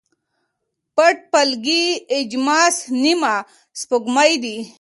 پټ فلکي اجسام نیمه سپوږمۍ دي.